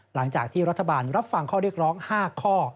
หลังจากที่รัฐบาลรับฟังข้อเรียกร้อง๕ข้อ